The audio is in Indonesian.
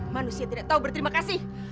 manusia tidak tahu berterima kasih